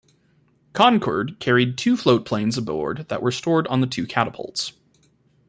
"Concord" carried two floatplanes aboard that were stored on the two catapults.